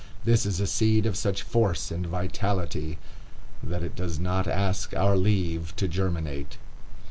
This is a seed of such force and vitality, that it does not ask our leave to germinate.